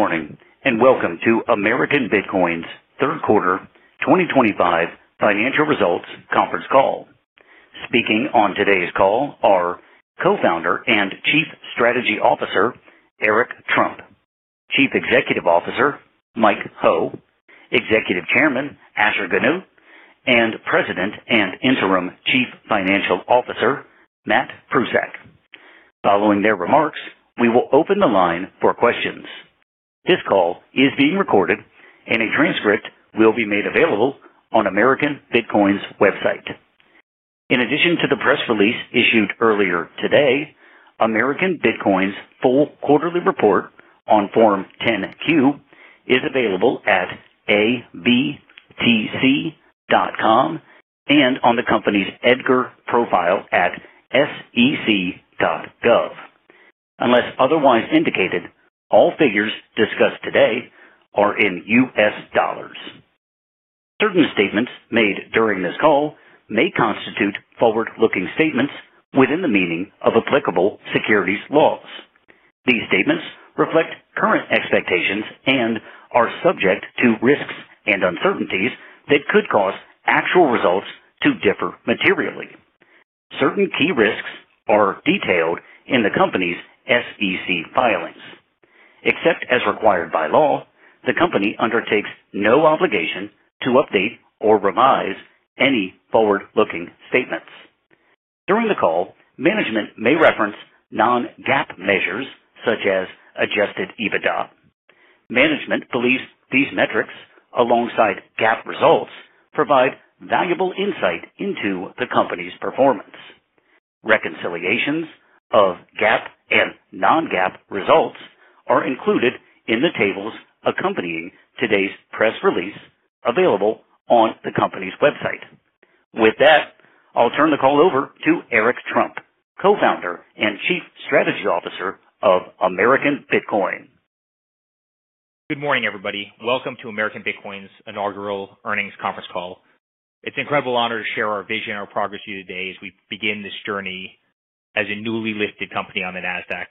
Morning and welcome to American Bitcoin's Third Quarter 2025 Financial Results Conference Call. Speaking on today's call are Co-founder and Chief Strategy Officer Eric Trump, Chief Executive Officer Mike Ho, Executive Chairman Asher Genoot, and president and interim Chief Financial Officer Matt Prusak. Following their remarks, we will open the line for questions. This call is being recorded, and a transcript will be made available on American Bitcoin's website. In addition to the press release issued earlier today, American Bitcoin's full quarterly report on Form 10-Q is available at abtc.com and on the company's EDGAR profile at sec.gov. Unless otherwise indicated, all figures discussed today are in U.S. dollars. Certain statements made during this call may constitute forward-looking statements within the meaning of applicable securities laws. These statements reflect current expectations and are subject to risks and uncertainties that could cause actual results to differ materially. Certain key risks are detailed in the company's SEC filings. Except as required by law, the company undertakes no obligation to update or revise any forward-looking statements. During the call, management may reference non-GAAP measures such as adjusted EBITDA. Management believes these metrics, alongside GAAP results, provide valuable insight into the company's performance. Reconciliations of GAAP and non-GAAP results are included in the tables accompanying today's press release available on the company's website. With that, I'll turn the call over to Eric Trump, co-founder and chief strategy officer of American Bitcoin. Good morning, everybody. Welcome to American Bitcoin's inaugural earnings conference call. It's an incredible honor to share our vision and our progress with you today as we begin this journey as a newly listed company on the Nasdaq.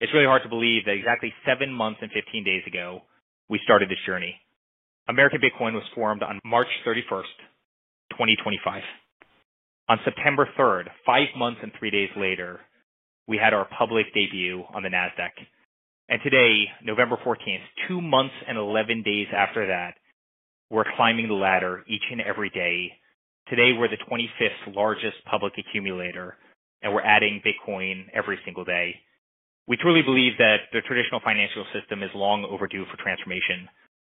It's really hard to believe that exactly seven months and 15 days ago, we started this journey. American Bitcoin was formed on March 31, 2025. On September 3, five months and three days later, we had our public debut on the Nasdaq. Today, November 14, two months and 11 days after that, we're climbing the ladder each and every day. Today, we're the 25th largest public accumulator, and we're adding Bitcoin every single day. We truly believe that the traditional financial system is long overdue for transformation,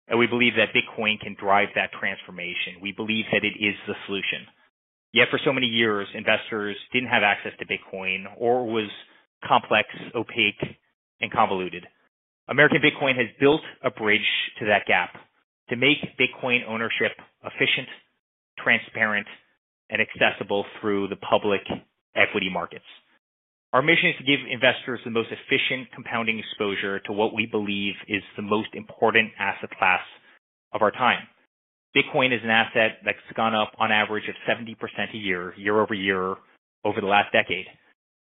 and we believe that Bitcoin can drive that transformation. We believe that it is the solution. Yet for so many years, investors didn't have access to Bitcoin or it was complex, opaque, and convoluted. American Bitcoin has built a bridge to that gap to make Bitcoin ownership efficient, transparent, and accessible through the public equity markets. Our mission is to give investors the most efficient, compounding exposure to what we believe is the most important asset class of our time. Bitcoin is an asset that's gone up on average of 70% a year, year over year, over the last decade.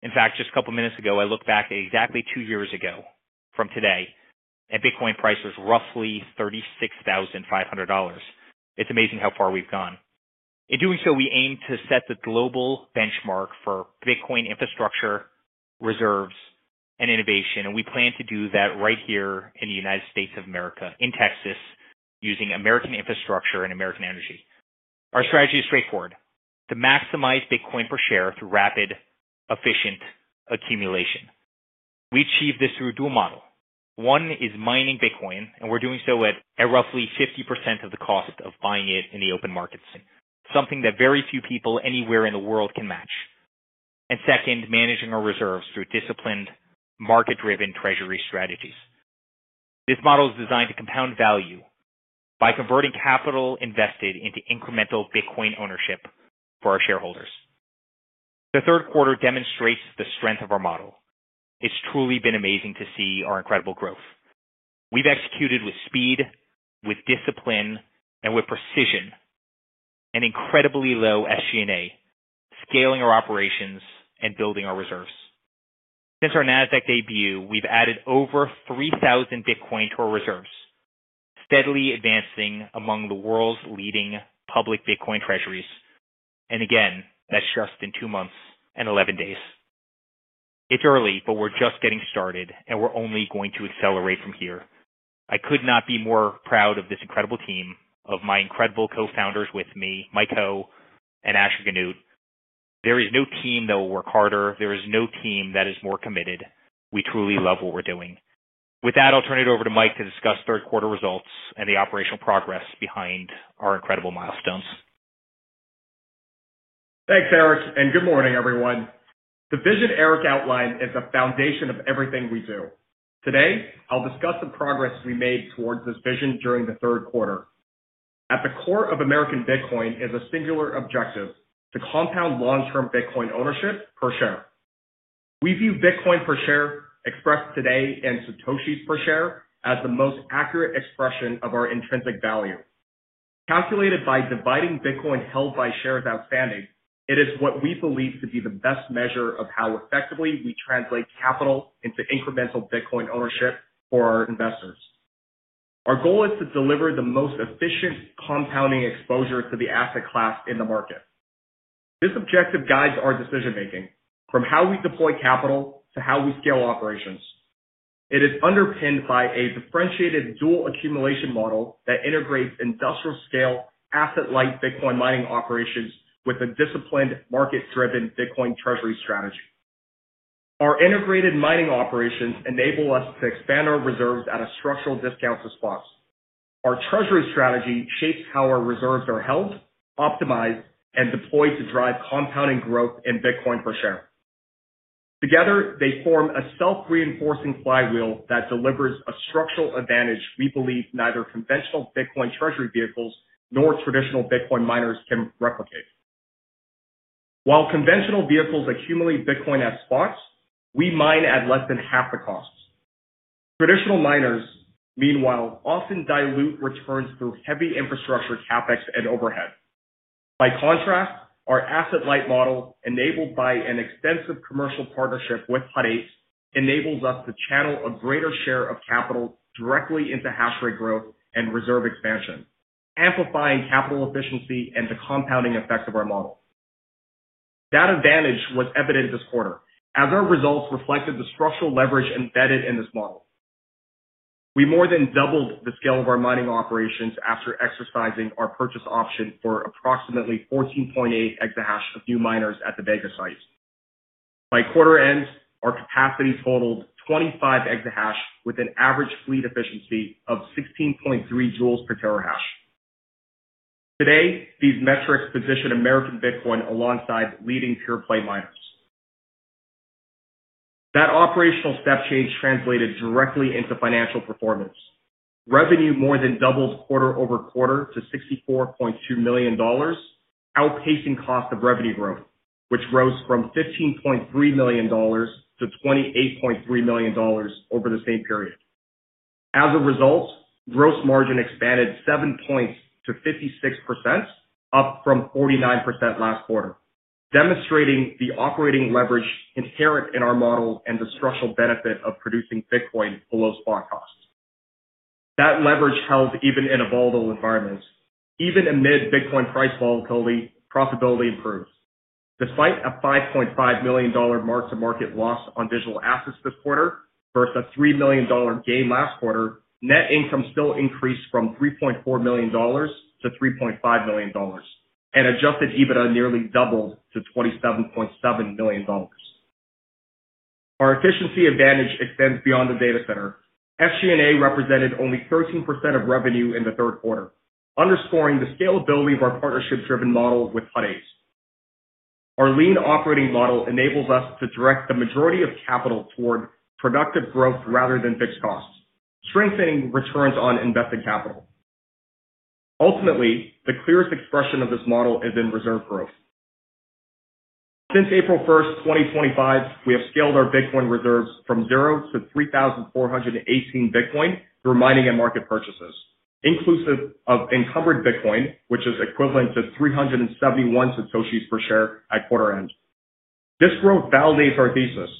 In fact, just a couple of minutes ago, I looked back at exactly two years ago from today, and Bitcoin price was roughly $36,500. It's amazing how far we've gone. In doing so, we aim to set the global benchmark for Bitcoin infrastructure, reserves, and innovation, and we plan to do that right here in the United States of America, in Texas, using American infrastructure and American energy. Our strategy is straightforward: to maximize Bitcoin per share through rapid, efficient accumulation. We achieve this through a dual model. One is mining Bitcoin, and we're doing so at roughly 50% of the cost of buying it in the open markets, something that very few people anywhere in the world can match. Second, managing our reserves through disciplined, market-driven treasury strategies. This model is designed to compound value by converting capital invested into incremental Bitcoin ownership for our shareholders. The third quarter demonstrates the strength of our model. It's truly been amazing to see our incredible growth. We've executed with speed, with discipline, and with precision, and incredibly low SG&A, scaling our operations and building our reserves. Since our Nasdaq debut, we've added over 3,000 Bitcoin to our reserves, steadily advancing among the world's leading public Bitcoin treasuries. That is just in two months and 11 days. It's early, but we're just getting started, and we're only going to accelerate from here. I could not be more proud of this incredible team of my incredible Co-founders with me, Mike Ho and Asher Genoot. There is no team that will work harder. There is no team that is more committed. We truly love what we're doing. With that, I'll turn it over to Mike to discuss third quarter results and the operational progress behind our incredible milestones. Thanks, Eric, and good morning, everyone. The vision Eric outlined is the foundation of everything we do. Today, I'll discuss the progress we made towards this vision during the third quarter. At the core of American Bitcoin is a singular objective: to compound long-term Bitcoin ownership per share. We view Bitcoin per share expressed today and Satoshis per share as the most accurate expression of our intrinsic value. Calculated by dividing Bitcoin held by shares outstanding, it is what we believe to be the best measure of how effectively we translate capital into incremental Bitcoin ownership for our investors. Our goal is to deliver the most efficient compounding exposure to the asset class in the market. This objective guides our decision-making from how we deploy capital to how we scale operations. It is underpinned by a differentiated dual accumulation model that integrates industrial-scale asset-light Bitcoin mining operations with a disciplined, market-driven Bitcoin treasury strategy. Our integrated mining operations enable us to expand our reserves at a structural discount to spot. Our treasury strategy shapes how our reserves are held, optimized, and deployed to drive compounding growth in Bitcoin per share. Together, they form a self-reinforcing flywheel that delivers a structural advantage we believe neither conventional Bitcoin treasury vehicles nor traditional Bitcoin miners can replicate. While conventional vehicles accumulate Bitcoin as spot, we mine at less than half the costs. Traditional miners, meanwhile, often dilute returns through heavy infrastructure capex and overhead. By contrast, our asset-light model, enabled by an extensive commercial partnership with Hut 8, enables us to channel a greater share of capital directly into hash rate growth and reserve expansion, amplifying capital efficiency and the compounding effects of our model. That advantage was evident this quarter as our results reflected the structural leverage embedded in this model. We more than doubled the scale of our mining operations after exercising our purchase option for approximately 14.8 exahash of new miners at the Vega site. By quarter end, our capacity totaled 25 exahash with an average fleet efficiency of 16.3 joules per terahash. Today, these metrics position American Bitcoin alongside leading pure-play miners. That operational step change translated directly into financial performance. Revenue more than doubled quarter over quarter to $64.2 million, outpacing cost of revenue growth, which rose from $15.3 million to $28.3 million over the same period. As a result, gross margin expanded 7 percentage points to 56%, up from 49% last quarter, demonstrating the operating leverage inherent in our model and the structural benefit of producing Bitcoin below spot costs. That leverage held even in a volatile environment. Even amid Bitcoin price volatility, profitability improved. Despite a $5.5 million mark-to-market loss on digital assets this quarter versus a $3 million gain last quarter, net income still increased from $3.4 million to $3.5 million and adjusted EBITDA nearly doubled to $27.7 million. Our efficiency advantage extends beyond the data center. SG&A represented only 13% of revenue in the third quarter, underscoring the scalability of our partnership-driven model with Hut 8. Our lean operating model enables us to direct the majority of capital toward productive growth rather than fixed costs, strengthening returns on invested capital. Ultimately, the clearest expression of this model is in reserve growth. Since April 1st, 2025, we have scaled our Bitcoin reserves from zero to 3,418 Bitcoin through mining and market purchases, inclusive of encumbered Bitcoin, which is equivalent to 371 Satoshis per share at quarter end. This growth validates our thesis.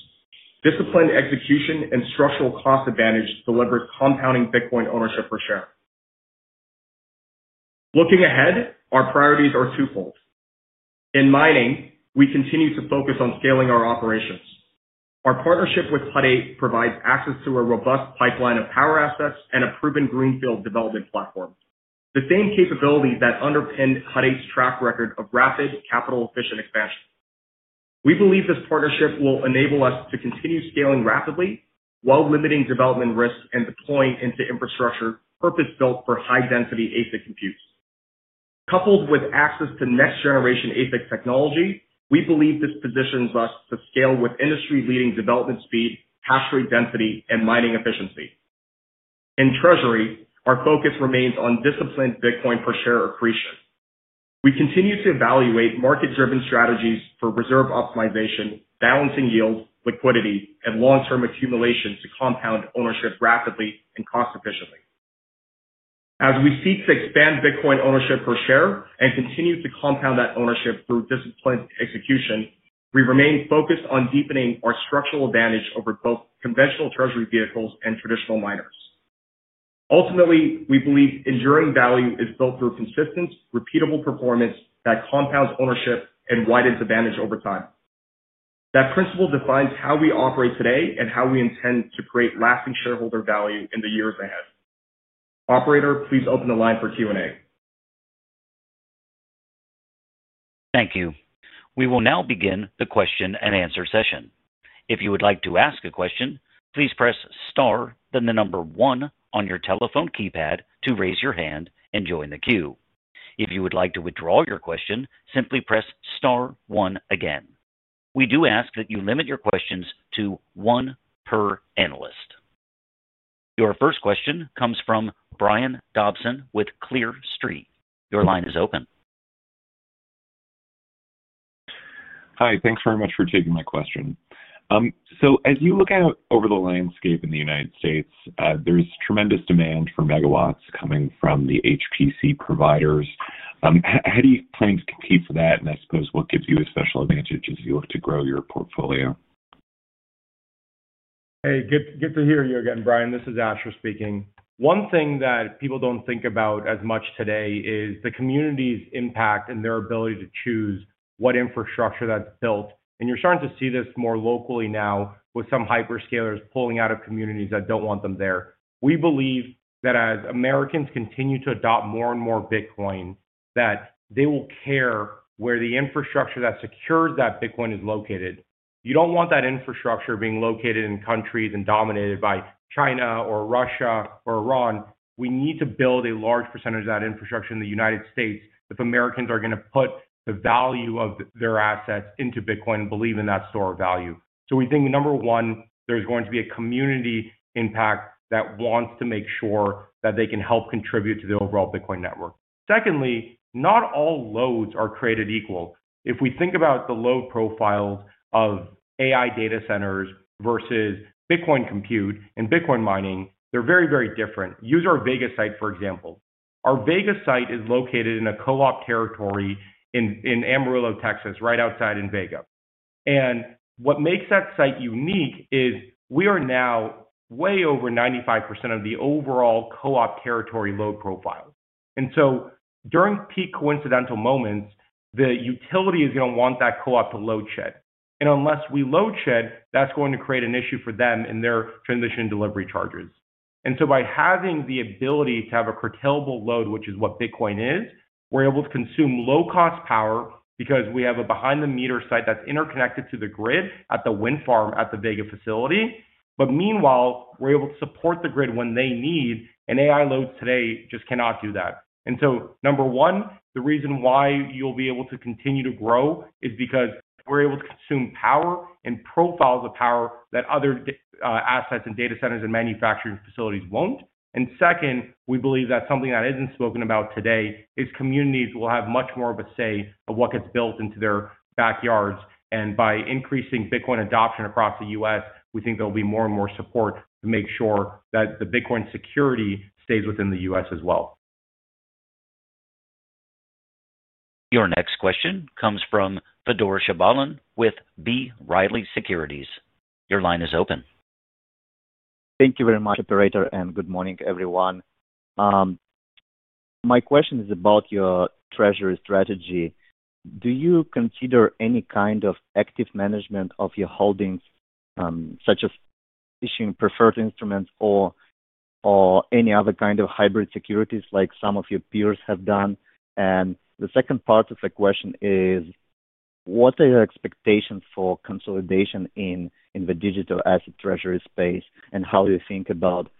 Disciplined execution and structural cost advantage deliver compounding Bitcoin ownership per share. Looking ahead, our priorities are twofold. In mining, we continue to focus on scaling our operations. Our partnership with Hut 8 provides access to a robust pipeline of power assets and a proven greenfield development platform, the same capability that underpinned Hut 8's track record of rapid, capital-efficient expansion. We believe this partnership will enable us to continue scaling rapidly while limiting development risk and deploying into infrastructure purpose-built for high-density ASIC computes. Coupled with access to next-generation ASIC technology, we believe this positions us to scale with industry-leading development speed, hash rate density, and mining efficiency. In treasury, our focus remains on disciplined Bitcoin per share accretion. We continue to evaluate market-driven strategies for reserve optimization, balancing yield, liquidity, and long-term accumulation to compound ownership rapidly and cost-efficiently. As we seek to expand Bitcoin ownership per share and continue to compound that ownership through disciplined execution, we remain focused on deepening our structural advantage over both conventional treasury vehicles and traditional miners. Ultimately, we believe enduring value is built through consistent, repeatable performance that compounds ownership and widens advantage over time. That principle defines how we operate today and how we intend to create lasting shareholder value in the years ahead. Operator, please open the line for Q&A. Thank you. We will now begin the question and answer session. If you would like to ask a question, please press star, then the number one on your telephone keypad to raise your hand and join the queue. If you would like to withdraw your question, simply press star one again. We do ask that you limit your questions to one per analyst. Your first question comes from Brian Dobson with Clear Street. Your line is open. Hi, thanks very much for taking my question. As you look out over the landscape in the United States, there's tremendous demand for megawatts coming from the HPC providers. How do you plan to compete for that? I suppose what gives you a special advantage as you look to grow your portfolio? Hey, good to hear you again, Brian. This is Asher speaking. One thing that people do not think about as much today is the community's impact and their ability to choose what infrastructure that is built. You are starting to see this more locally now with some hyperscalers pulling out of communities that do not want them there. We believe that as Americans continue to adopt more and more Bitcoin, they will care where the infrastructure that secures that Bitcoin is located. You do not want that infrastructure being located in countries dominated by China or Russia or Iran. We need to build a large percentage of that infrastructure in the United States if Americans are going to put the value of their assets into Bitcoin and believe in that store of value. We think, number one, there's going to be a community impact that wants to make sure that they can help contribute to the overall Bitcoin network. Secondly, not all loads are created equal. If we think about the load profiles of AI data centers versus Bitcoin compute and Bitcoin mining, they're very, very different. Use our Vega site, for example. Our Vega site is located in a co-op territory in Amarillo, Texas, right outside in Vega. What makes that site unique is we are now way over 95% of the overall co-op territory load profile. During peak coincidental moments, the utility is going to want that co-op to load shed. Unless we load shed, that's going to create an issue for them in their transmission delivery charges. By having the ability to have a curtailable load, which is what Bitcoin is, we're able to consume low-cost power because we have a behind-the-meter site that's interconnected to the grid at the wind farm at the Vega facility. Meanwhile, we're able to support the grid when they need, and AI loads today just cannot do that. Number one, the reason why you'll be able to continue to grow is because we're able to consume power and profiles of power that other assets and data centers and manufacturing facilities won't. Second, we believe that something that isn't spoken about today is communities will have much more of a say of what gets built into their backyards. By increasing Bitcoin adoption across the U.S., we think there'll be more and more support to make sure that the Bitcoin security stays within the U.S. as well. Your next question comes from Fedor Shabalin with B. Riley Securities. Your line is open. Thank you very much, Operator, and good morning, everyone. My question is about your treasury strategy. Do you consider any kind of active management of your holdings, such as issuing preferred instruments or any other kind of hybrid securities like some of your peers have done? The second part of the question is, what are your expectations for consolidation in the digital asset treasury space, and how do you think about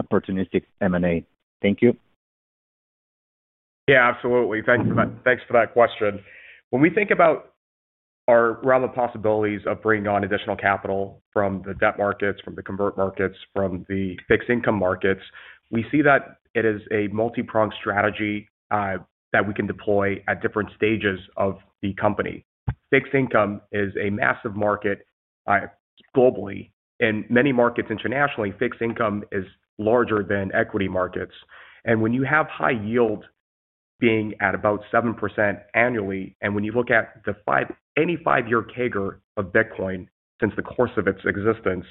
opportunistic M&A? Thank you. Yeah, absolutely. Thanks for that question. When we think about our realm of possibilities of bringing on additional capital from the debt markets, from the convert markets, from the fixed income markets, we see that it is a multi-pronged strategy that we can deploy at different stages of the company. Fixed income is a massive market globally. In many markets internationally, fixed income is larger than equity markets. When you have high yield being at about 7% annually, and when you look at any five-year CAGR of Bitcoin since the course of its existence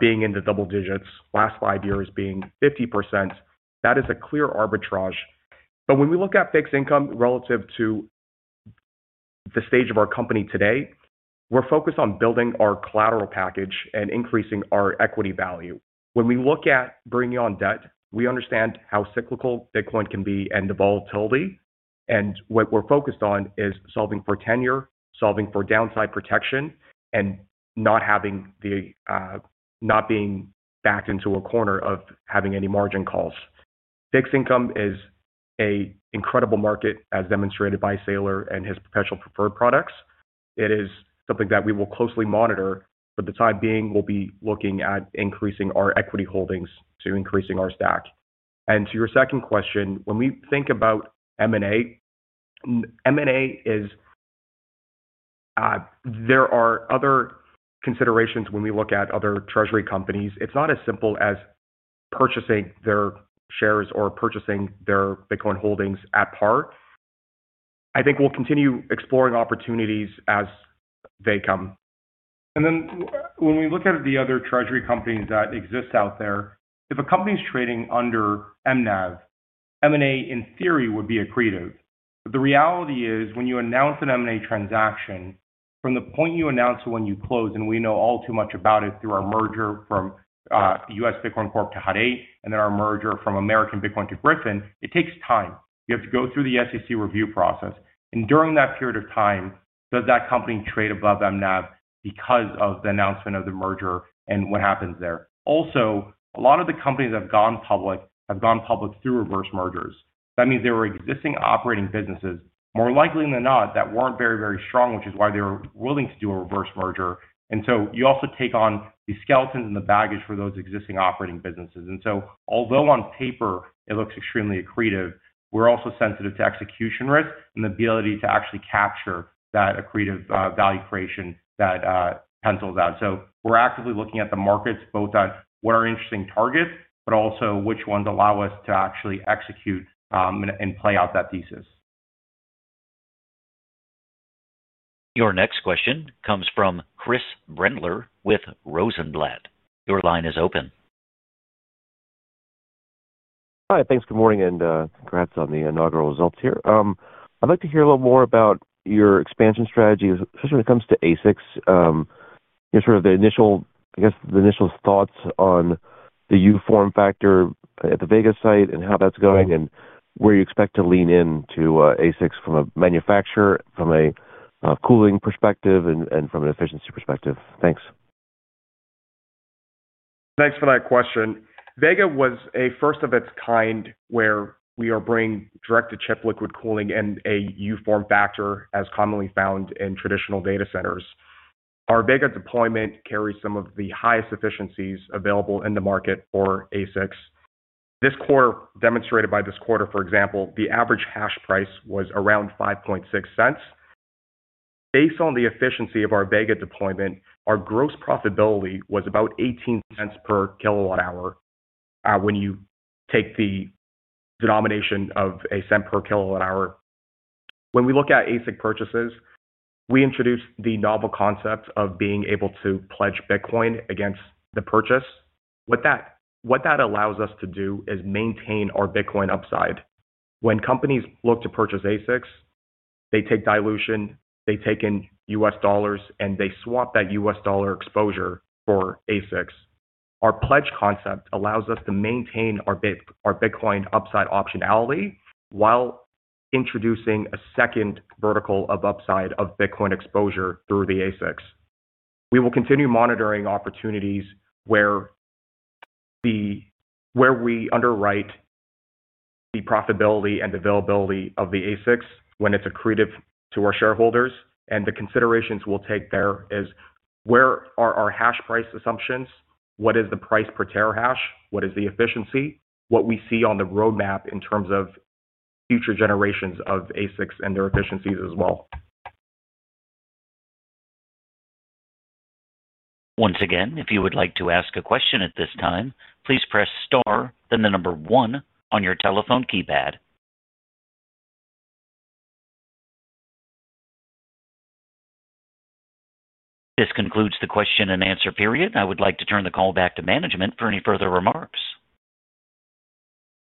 being in the double digits, last five years being 50%, that is a clear arbitrage. When we look at fixed income relative to the stage of our company today, we're focused on building our collateral package and increasing our equity value. When we look at bringing on debt, we understand how cyclical Bitcoin can be and the volatility. What we're focused on is solving for tenure, solving for downside protection, and not being backed into a corner of having any margin calls. Fixed income is an incredible market, as demonstrated by Saylor and his perpetual preferred products. It is something that we will closely monitor. For the time being, we'll be looking at increasing our equity holdings to increasing our stack. To your second question, when we think about M&A, there are other considerations when we look at other treasury companies. It's not as simple as purchasing their shares or purchasing their Bitcoin holdings at par. I think we'll continue exploring opportunities as they come. When we look at the other treasury companies that exist out there, if a company is trading under mNAV, M&A in theory would be accretive. The reality is when you announce an M&A transaction from the point you announce it when you close, and we know all too much about it through our merger from U.S. Bitcoin Corp to Hut 8, and then our merger from American Bitcoin to Gryphon, it takes time. You have to go through the SEC review process. During that period of time, does that company trade above mNAV because of the announcement of the merger and what happens there? Also, a lot of the companies that have gone public have gone public through reverse mergers. That means there were existing operating businesses, more likely than not, that were not very, very strong, which is why they were willing to do a reverse merger. You also take on the skeletons and the baggage for those existing operating businesses. Although on paper it looks extremely accretive, we're also sensitive to execution risk and the ability to actually capture that accretive value creation that pencils out. We're actively looking at the markets both on what are interesting targets, but also which ones allow us to actually execute and play out that thesis. Your next question comes from Chris Brendler with Rosenblatt. Your line is open. Hi, thanks. Good morning and congrats on the inaugural results here. I'd like to hear a little more about your expansion strategy, especially when it comes to ASICs. Sort of the initial, I guess, the initial thoughts on the uniform factor at the Vega site and how that's going and where you expect to lean into ASICs from a manufacturer, from a cooling perspective, and from an efficiency perspective. Thanks. Thanks for that question. Vega was a first of its kind where we are bringing direct-to-chip liquid cooling and a uniform factor as commonly found in traditional data centers. Our Vega deployment carries some of the highest efficiencies available in the market for ASICs. This quarter, for example, the average hash price was around $0.056. Based on the efficiency of our Vega deployment, our gross profitability was about $0.18 per kilowatt-hour when you take the denomination of a cent per kilowatt-hour. When we look at ASIC purchases, we introduced the novel concept of being able to pledge Bitcoin against the purchase. What that allows us to do is maintain our Bitcoin upside. When companies look to purchase ASICs, they take dilution, they take in U.S. dollars, and they swap that U.S. dollar exposure for ASICs. Our pledge concept allows us to maintain our Bitcoin upside optionality while introducing a second vertical of upside of Bitcoin exposure through the ASICs. We will continue monitoring opportunities where we underwrite the profitability and availability of the ASICs when it's accretive to our shareholders. The considerations we'll take there are where are our hash price assumptions, what is the price per terahash, what is the efficiency, what we see on the roadmap in terms of future generations of ASICs and their efficiencies as well. Once again, if you would like to ask a question at this time, please press star, then the number one on your telephone keypad. This concludes the question and answer period. I would like to turn the call back to management for any further remarks.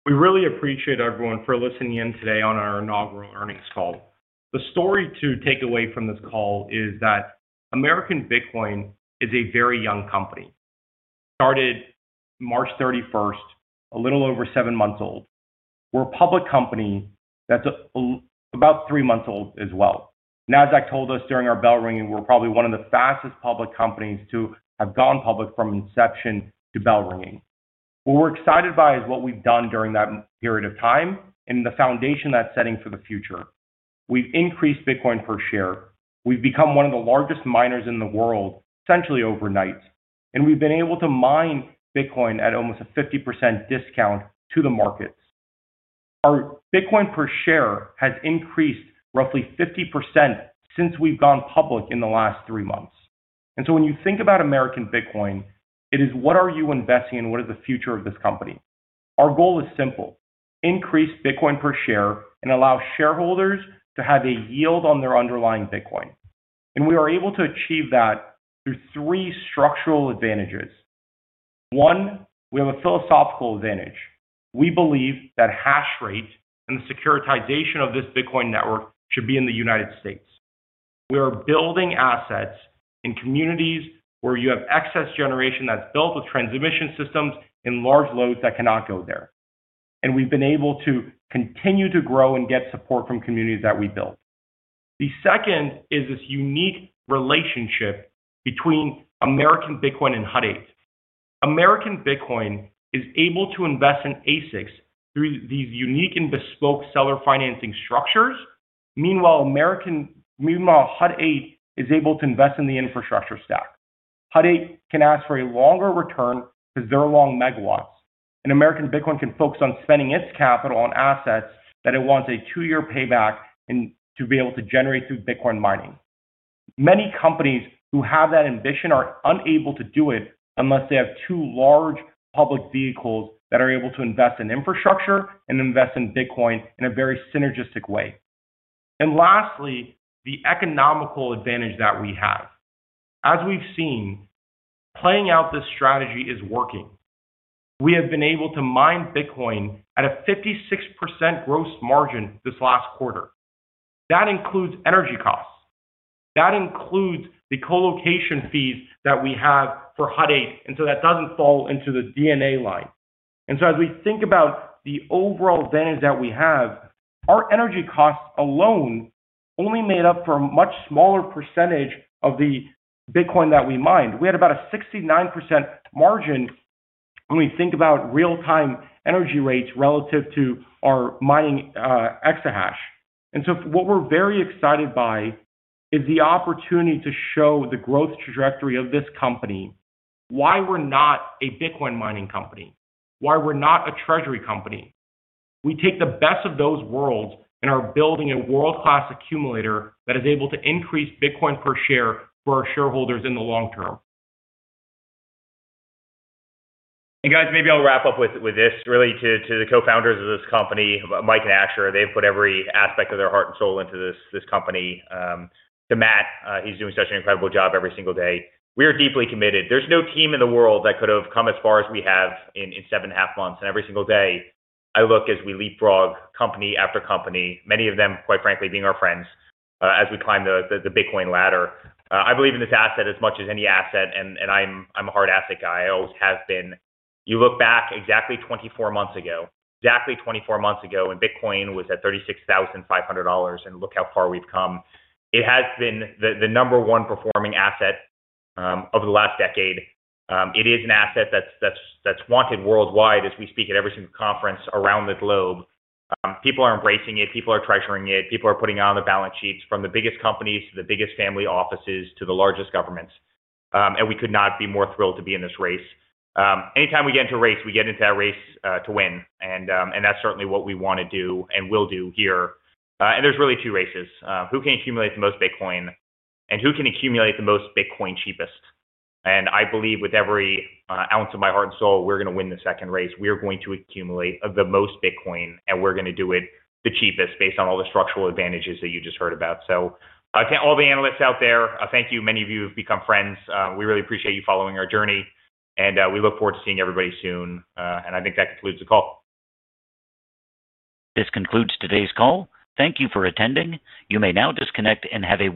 We really appreciate everyone for listening in today on our inaugural earnings call. The story to take away from this call is that American Bitcoin is a very young company. Started March 31, a little over seven months old. We're a public company that's about three months old as well. Nasdaq told us during our bell ringing, we're probably one of the fastest public companies to have gone public from inception to bell ringing. What we're excited by is what we've done during that period of time and the foundation that's setting for the future. We've increased Bitcoin per share. We've become one of the largest miners in the world, essentially overnight. We've been able to mine Bitcoin at almost a 50% discount to the markets. Our Bitcoin per share has increased roughly 50% since we've gone public in the last three months. When you think about American Bitcoin, it is what are you investing in, what is the future of this company? Our goal is simple: increase Bitcoin per share and allow shareholders to have a yield on their underlying Bitcoin. We are able to achieve that through three structural advantages. One, we have a philosophical advantage. We believe that hash rate and the securitization of this Bitcoin network should be in the United States. We are building assets in communities where you have excess generation that is built with transmission systems and large loads that cannot go there. We have been able to continue to grow and get support from communities that we built. The second is this unique relationship between American Bitcoin and Hut 8. American Bitcoin is able to invest in ASICs through these unique and bespoke seller financing structures. Meanwhile, Hut 8 is able to invest in the infrastructure stack. Hut 8 can ask for a longer return because they're long megawatts. American Bitcoin can focus on spending its capital on assets that it wants a two-year payback to be able to generate through Bitcoin mining. Many companies who have that ambition are unable to do it unless they have two large public vehicles that are able to invest in infrastructure and invest in Bitcoin in a very synergistic way. Lastly, the economical advantage that we have. As we've seen, playing out this strategy is working. We have been able to mine Bitcoin at a 56% gross margin this last quarter. That includes energy costs. That includes the colocation fees that we have for Hut 8. That doesn't fall into the DNA line. As we think about the overall advantage that we have, our energy costs alone only made up for a much smaller percentage of the Bitcoin that we mined. We had about a 69% margin when we think about real-time energy rates relative to our mining exahash. What we are very excited by is the opportunity to show the growth trajectory of this company, why we are not a Bitcoin mining company, why we are not a treasury company. We take the best of those worlds and are building a world-class accumulator that is able to increase Bitcoin per share for our shareholders in the long term. Hey guys, maybe I'll wrap up with this, really, to the co-founders of this company, Mike and Asher. They've put every aspect of their heart and soul into this company. To Matt, he's doing such an incredible job every single day. We are deeply committed. There is no team in the world that could have come as far as we have in seven and a half months. Every single day, I look as we leapfrog company after company, many of them, quite frankly, being our friends as we climb the Bitcoin ladder. I believe in this asset as much as any asset, and I'm a hard asset guy. I always have been. You look back exactly 24 months ago, exactly 24 months ago when Bitcoin was at $36,500, and look how far we've come. It has been the number one performing asset over the last decade. It is an asset that's wanted worldwide as we speak at every single conference around the globe. People are embracing it. People are treasuring it. People are putting it on the balance sheets from the biggest companies to the biggest family offices to the largest governments. We could not be more thrilled to be in this race. Anytime we get into a race, we get into that race to win. That is certainly what we want to do and will do here. There are really two races. Who can accumulate the most Bitcoin and who can accumulate the most Bitcoin cheapest? I believe with every ounce of my heart and soul, we are going to win the second race. We are going to accumulate the most Bitcoin, and we are going to do it the cheapest based on all the structural advantages that you just heard about. All the analysts out there, thank you. Many of you have become friends. We really appreciate you following our journey. We look forward to seeing everybody soon. I think that concludes the call. This concludes today's call. Thank you for attending. You may now disconnect and have a.